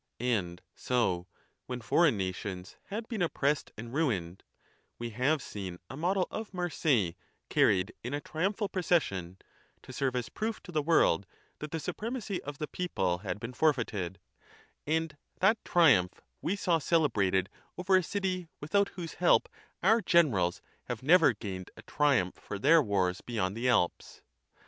28 And so, when foreign nations had been oppressed and ruined, we have seen a model of Marseilles carried in a triumphal procession, to serve as proof to the world that the supremacy of the people had been forfeited ; and that triumph we saw celebrated over a city with out whose help our generals have never gained a triumph for their wars beyond the Alps.